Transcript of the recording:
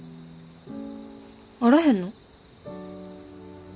あらへんの？